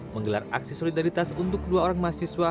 menggelar aksi solidaritas untuk dua orang mahasiswa